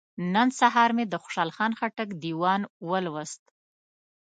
نن سهار مې د خوشحال خان خټک دیوان ولوست.